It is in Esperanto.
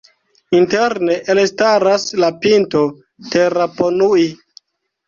Interne elstaras la pinto Taraponui.